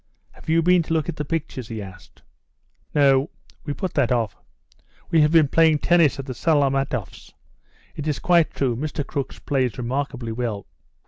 Have you been to look at the pictures?" he asked. "No, we put that off. We have been playing tennis at the Salamatoffs'. It is quite true, Mr. Crooks plays remarkably well."